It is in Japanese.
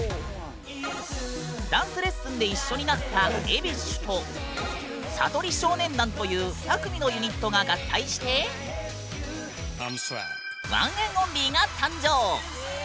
ダンスレッスンで一緒になった「ＥＢｉＳＳＨ」と「さとり少年団」という２組のユニットが合体してＯＮＥＮ’ＯＮＬＹが誕生。